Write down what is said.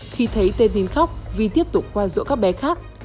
khi thấy t nín khóc vi tiếp tục qua dỗ các bé khác